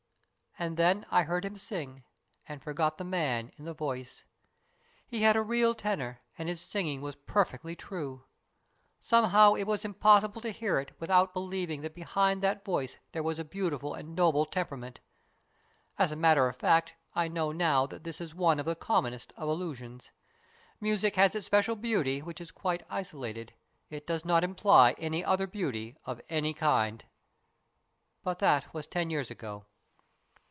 "And then I heard him sing, and forgot the man in the voice. He had a real tenor, and his singing was perfectly true. Somehow it was impossible to hear it without believing that behind that voice there was a beautiful and noble tem perament. As a matter of fact, I know now that this is one of the commonest of illusions. Music has its special beauty, which is quite isolated. It does not imply any other beauty of any kind. " But that was ten years ago.